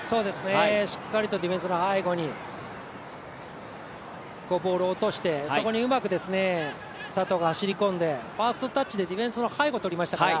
しっかりとディフェンスの背後にボールを落としてそこにうまく佐藤が走り込んでファーストタッチでディフェンスの背後とりましたから。